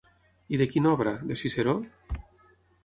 I de quina obra, de Ciceró?